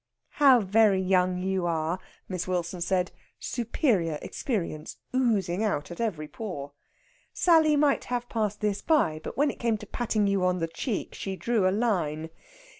"How very young you are!" Miss Wilson said, superior experience oozing out at every pore. Sally might have passed this by, but when it came to patting you on the cheek, she drew a line.